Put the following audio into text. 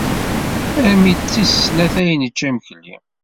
Armi d tis snat ay necca imekli.